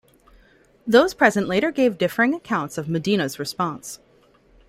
Those present later gave differing accounts of Medina's response.